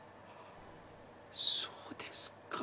そうですか。